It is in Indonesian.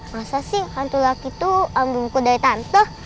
masa sih hantu lehak itu ambil buku dari tante